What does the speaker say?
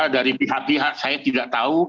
dari pihak pihak saya tidak tahu